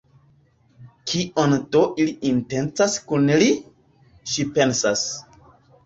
Kion do ili intencas kun li?, ŝi pensas.